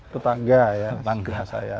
tetangga ya tetangga saya